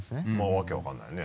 訳分からないよね。